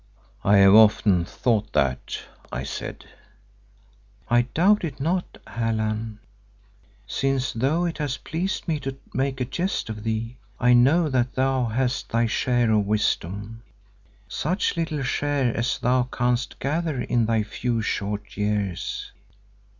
"I have often thought that," I said. "I doubt it not, Allan, since though it has pleased me to make a jest of thee, I know that thou hast thy share of wisdom, such little share as thou canst gather in thy few short years.